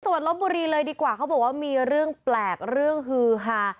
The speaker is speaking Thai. วัดลบบุรีเลยดีกว่าเขาบอกว่ามีเรื่องแปลกเรื่องฮือฮา